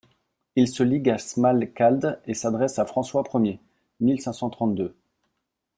Ils se liguent à Smalkalde et s'adressent à François Ier (mille cinq cent trente-deux).